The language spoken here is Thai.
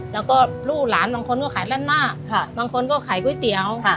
แล้วก็ลูกหลานบางคนก็ขายรัดหน้าบางคนก็ขายก๋วยเตี๋ยวค่ะ